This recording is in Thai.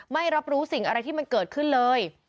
ไม่รับรู้สิ่งอะไรที่มันเกิดขึ้นเลย